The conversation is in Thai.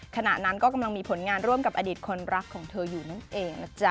ขณะนั้นก็กำลังมีผลงานร่วมกับอดีตคนรักของเธออยู่นั่นเองนะจ๊ะ